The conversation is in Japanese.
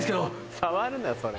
触るなそれ。